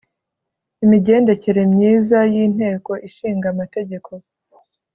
imigendekere myiza y’inteko ishinga amategeko